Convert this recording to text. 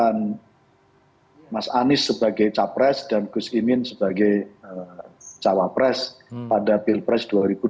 jadi kita memasangkan mas anies sebagai capres dan gus imin sebagai cawapres pada pilpres dua ribu dua puluh empat